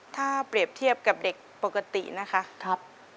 ถ้าเปรียบเทียบกับเด็กปกตินะคะ